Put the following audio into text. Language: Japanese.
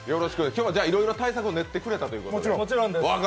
今日はじゃあ、いろいろ対策を練ってくれたということですか。